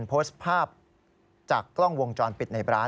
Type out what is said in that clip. โพสต์ภาพจากกล้องวงจรปิดในร้าน